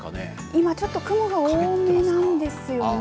今ちょっと雲が多めなんですよね。